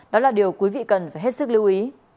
đó là điều quý vị cần phải hết sức lưu ý